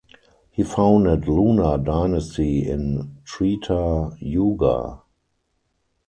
He founded Lunar Dynasty in Treta Yuga.